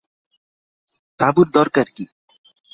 তাঁবুর দরকার কী?